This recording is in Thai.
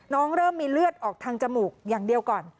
เริ่มมีเลือดออกทางจมูกอย่างเดียวก่อน